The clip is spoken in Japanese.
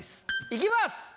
いきます。